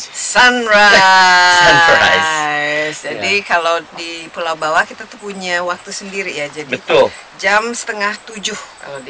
sunrise jadi kalau di pulau bawah kita punya waktu sendiri ya jadi betul jam setengah tujuh